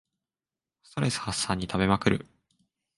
ストレス発散に食べまくる